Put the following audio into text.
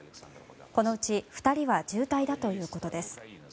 このうち２人は重体だということです。